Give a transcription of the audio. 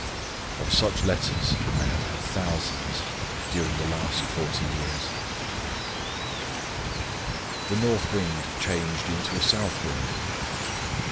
Of such letters I have had thousands during the last 40 years." THE NORTH WIND CHANGED INTO A SOUTH WIND.